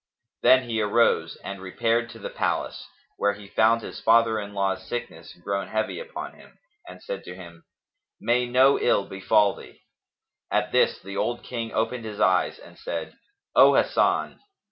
Then he arose and repaired to the palace, where he found his father in law's sickness grown heavy upon him and said to him, "May no ill befal thee!" At this the old King opened his eyes and said, "O Hasan!"